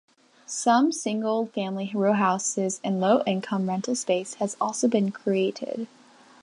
Some single-family rowhouses and low-income rental space has also been created.